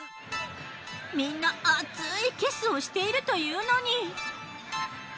みんな熱いキスをしているというのに。